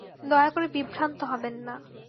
দয়া করে বিভ্রান্ত হবেন না।